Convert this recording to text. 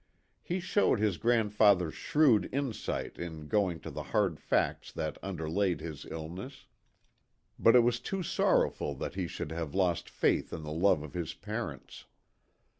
He showed his grandfather's shrewd insight in going to the hard facts that underlaid his illness but it 132 THE TWO WILLS. was too sorrowful that he should have lost faith in the love of his parents.